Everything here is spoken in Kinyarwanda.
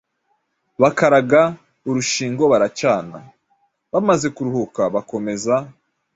bakaraga urushingo baracana. Bamaze kuruhuka bakomeza